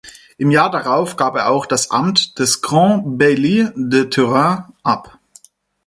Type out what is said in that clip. Im Jahr darauf gab er auch das Amt des Grand Bailli de Touraine ab.